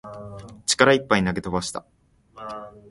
力いっぱい投げ飛ばした